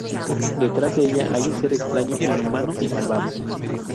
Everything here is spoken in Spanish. Detrás de ella hay un ser extraño, inhumano y malvado.